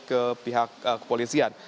ke pihak kepolisian